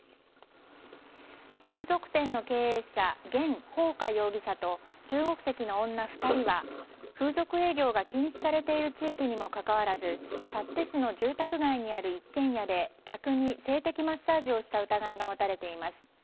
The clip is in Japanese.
風俗店の経営者ゲン・ホウカ容疑者と中国籍の女２人は風俗営業が禁止されている地域にもかかわらず幸手市の住宅街にある一軒家で客に性的マッサージをした疑いが持たれています。